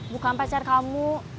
bukan pacar kamu